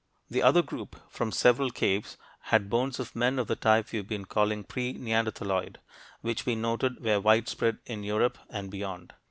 The other group, from several caves, had bones of men of the type we've been calling pre neanderthaloid which we noted were widespread in Europe and beyond.